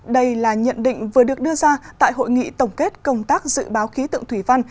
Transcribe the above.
đây là nhận định vừa được đưa ra tại hội nghị tổng kết công tác dự báo khí tượng thủy văn